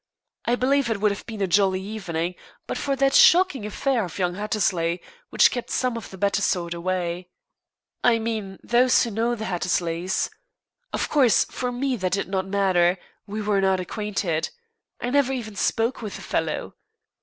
I believe it would have been a jolly evening, but for that shocking affair of young Hattersley which kept some of the better sort away. I mean those who know the Hattersleys. Of course, for me that did not matter, we were not acquainted. I never even spoke with the fellow.